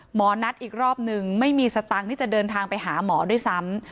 หมอนัดอีกรอบนึงไม่มีสตังค์ที่จะเดินทางไปหาหมอด้วยซ้ำ